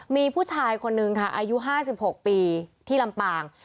มีผู้ชายคนนึงค่ะอายุห้าสิบหกปีที่ลำปาง